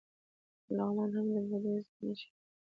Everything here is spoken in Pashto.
لغمان هم د بودیزم نښې لري